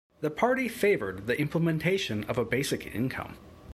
The party favoured the implementation of a basic income.